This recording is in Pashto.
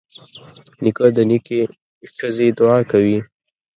نیکه د نیکې ښځې دعا کوي.